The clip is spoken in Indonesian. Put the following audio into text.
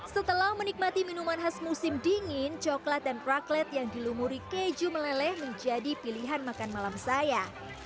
setelah menikmati minuman khas musim dingin coklat dan praklet yang dilumuri keju meleleh menjadi pilihan makan malam saya